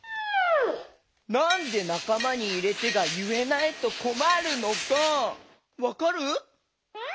なんで「なかまにいれて」がいえないとこまるのかわかる？